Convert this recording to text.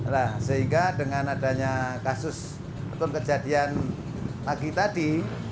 nah sehingga dengan adanya kasus atau kejadian pagi tadi